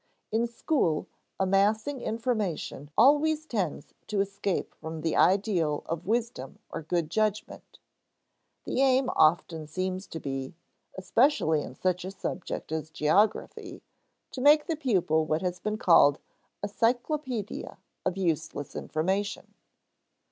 In school, amassing information always tends to escape from the ideal of wisdom or good judgment. The aim often seems to be especially in such a subject as geography to make the pupil what has been called a "cyclopedia of useless information."